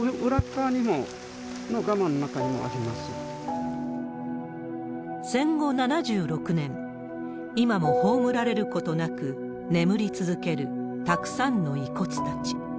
ーせんご７６年、今も葬られることなく眠り続けるたくさんの遺骨たち。